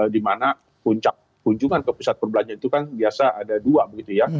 dimana puncak kunjungan ke pusat perbelanjaan itu kan biasa ada dua begitu ya